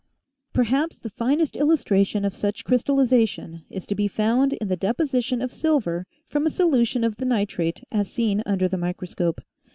Perhaps the finest illustration of such crystallization is to be found in the deposition of silver from a solution of the nitrate as seen under the microscope.